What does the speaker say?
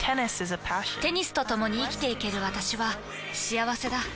テニスとともに生きていける私は幸せだ。